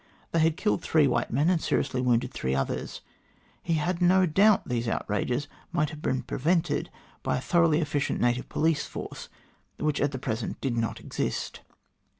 They had killed three white men, and seriously wounded three others. He had no doubt these outrages might have been prevented by a thoroughly efficient native police force, which at present did not exist.